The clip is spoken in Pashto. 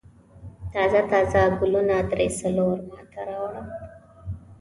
تازه تازه ګلونه درې څلور ما ته راوړه.